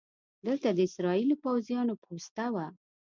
دلته د اسرائیلي پوځیانو پوسته وه.